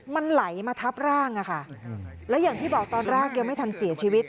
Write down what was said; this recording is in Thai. มันไหลมาทับร่างอะค่ะและอย่างที่บอกตอนแรกยังไม่ทันเสียชีวิต